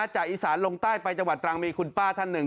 จากอีสานลงใต้ไปจังหวัดตรังมีคุณป้าท่านหนึ่ง